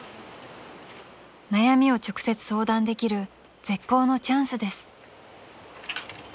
［悩みを直接相談できる絶好のチャンスです］